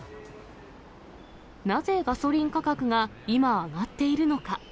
なぜガソリン価格が今上がっているのか。